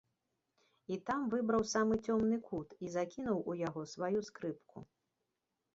І там выбраў самы цёмны кут і закінуў у яго сваю скрыпку.